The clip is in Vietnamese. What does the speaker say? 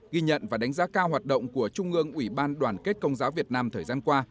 ghi nhận và đánh giá cao hoạt động của trung ương ủy ban đoàn kết công giáo việt nam thời gian qua